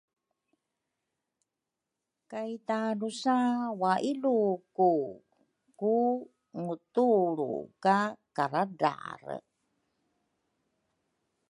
kay tadrusa wailuku ku ngutulru ka karadrare.